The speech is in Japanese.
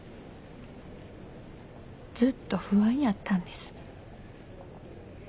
ずっと不安やったんです。